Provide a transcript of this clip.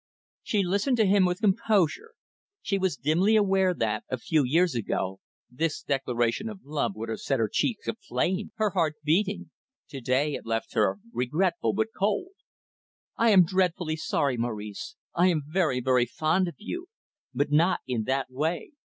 She listened to him with composure. She was dimly aware that, a few years ago, this declaration of love would have set her cheeks aflame, her heart beating. To day, it left her regretful, but cold. "I am dreadfully sorry, Maurice. I am very, very fond of you, but not in that way.